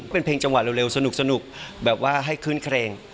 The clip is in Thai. เป็นเพลงจังหวะเร็วสนุกแบบว่าให้ขึ้นเครง